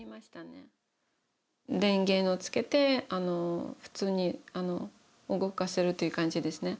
電源をつけて普通に動かせるという感じですね。